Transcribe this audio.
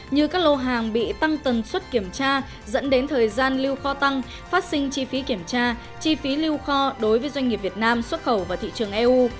như các lô hàng bị tăng tần suất kiểm tra dẫn đến thời gian lưu kho tăng phát sinh chi phí kiểm tra chi phí lưu kho đối với doanh nghiệp việt nam xuất khẩu vào thị trường eu